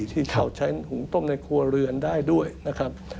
ที่เขาใช้หุงต้มในครัวเรือนได้ด้วยนะครับ